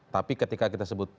tapi ketika kita sebut